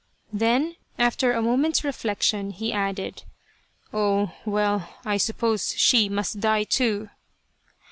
Then, after a moment's reflection, he added, " Oh, well I suppose she must die, too